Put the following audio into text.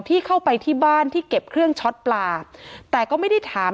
ที่เข้าไปที่บ้านที่เก็บเครื่องช็อตปลาแต่ก็ไม่ได้ถาม